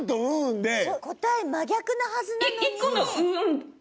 答え真逆なはずなのに。